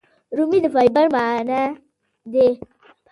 رومیان د فایبر منبع دي